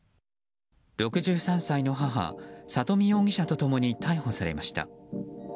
６３歳の母・佐登美容疑者と共に逮捕されました。